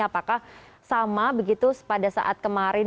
apakah sama begitu pada saat kemarin